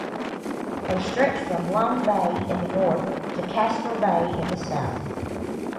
They stretch from Long Bay in the north to Castor Bay in the south.